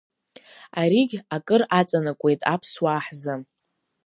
Аригь акыр аҵанакуеит аԥсуаа ҳзы.